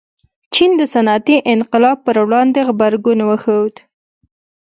چین د صنعتي انقلاب پر وړاندې غبرګون وښود.